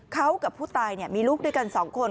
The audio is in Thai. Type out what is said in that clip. เขากับผู้ตายมีลูกด้วยกัน๒คน